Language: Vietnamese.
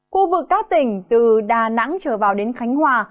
khu vực các tỉnh từ đà nẵng trở vào đến khánh hòa